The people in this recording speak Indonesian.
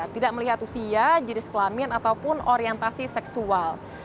tidak melihat usia jenis kelamin ataupun orientasi seksual